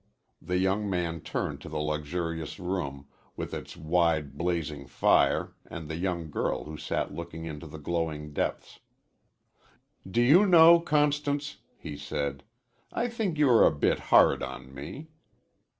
The young man turned to the luxurious room, with its wide blazing fire and the young girl who sat looking into the glowing depths. "Do you know, Constance," he said, "I think you are a bit hard on me."